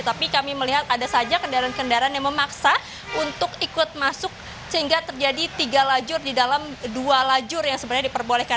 tapi kami melihat ada saja kendaraan kendaraan yang memaksa untuk ikut masuk sehingga terjadi tiga lajur di dalam dua lajur yang sebenarnya diperbolehkan